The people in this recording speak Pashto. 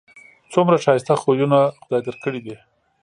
څومره ښایسته خویونه خدای در کړي دي